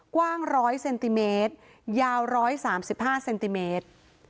กว้าง๑๐๐เซนติเมตรยาว๑๓๕เซนติเมตร